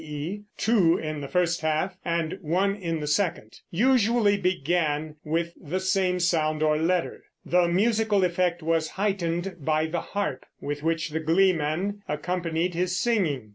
e. two in the first half, and one in the second) usually began with the same sound or letter. The musical effect was heightened by the harp with which the gleeman accompanied his singing..